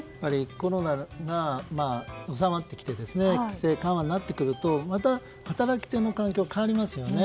コロナが収まってきて規制緩和になってくるとまた、働き手の環境が変わりますよね。